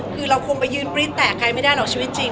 คือเราคงไปยืนปริ้นแตกใครไม่ได้หรอกชีวิตจริง